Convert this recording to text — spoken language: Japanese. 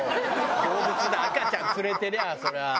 動物だ赤ちゃん連れてりゃそりゃ。